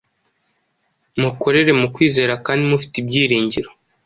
Mukorere mu kwizera kandi mufite n’ibyiringiro;